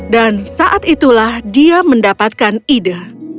dan saat itulah dia mendapatkan ide